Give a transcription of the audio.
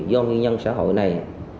do nguyên nhân xã hội này